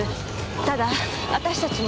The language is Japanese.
ただ私たちも。